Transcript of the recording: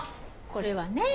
これはね